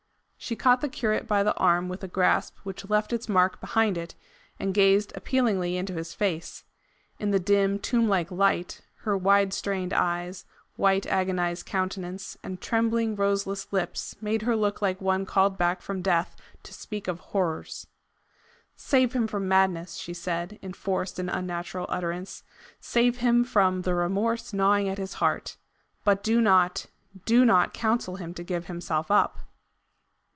She caught the curate by the arm with a grasp which left its mark behind it, and gazed appealingly into his face: in the dim tomb like light, her wide strained eyes, white agonized countenance, and trembling roseless lips made her look like one called back from death "to speak of horrors." "Save him from madness," she said, in forced and unnatural utterance. "Save him from the remorse gnawing at his heart. But do not, DO not counsel him to give himself up."